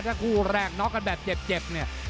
ถ้าคู่แรกน็อกกันแบบเจ็บเนี่ย